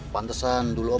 pantesan dulu om